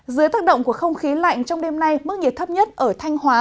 dưới tác động của không khí lạnh trong đêm nay mức nhiệt thấp nhất ở thanh hóa